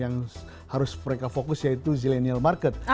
yang harus mereka fokus yaitu zillennial market